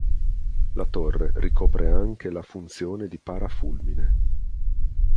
La torre ricopre anche la funzione di parafulmine.